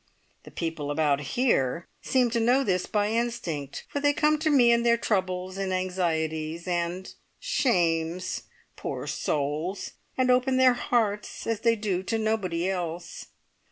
The people about here seem to know this by instinct, for they come to me in their troubles and anxieties and shames, poor souls! and open their hearts as they do to nobody else.